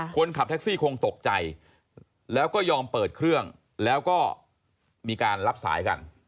คนขับแท็กซี่คงตกใจแล้วก็ยอมเปิดเครื่องแล้วก็มีการรับสายกัน